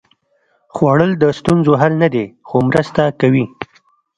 خوړل د ستونزو حل نه دی، خو مرسته کوي